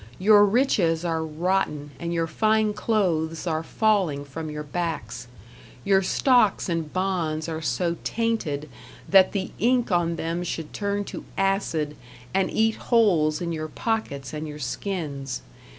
Your riches are rotten and your fine clothes are falling from your backs. Your stocks and bonds are so tainted that the ink on them should turn to acid and eat holes in your pockets and your skins.